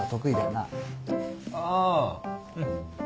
あーうん。